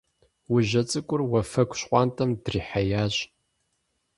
Ужьэ цӀыкӀур уафэгу щхъуантӀэм дрихьеящ.